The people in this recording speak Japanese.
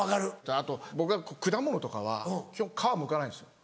あと僕は果物とかは基本皮むかないんですよ。